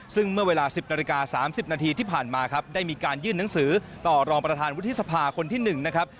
ซึ่งเมื่อเวลา๑๐นาฬิกา๓๐นาทีที่ผ่านมาครับได้มีการยื่นหนังสือต่อรองประธานวุฒิสภาคนที่๑นะครับ